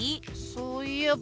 そういえば。